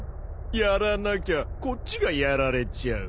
やらなきゃこっちがやられちゃう。